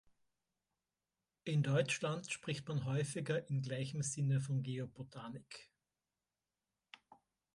In Deutschland spricht man häufiger in gleichem Sinne von Geobotanik.